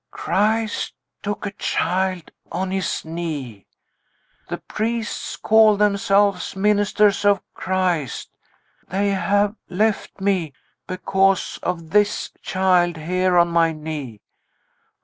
"Christ took a child on His knee. The priests call themselves ministers of Christ. They have left me, because of this child, here on my knee.